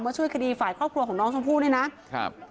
ช่วยคดีฝ่ายครอบครัวของน้องชมพู่เนี่ยนะครับ